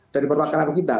dari perpaktiran kita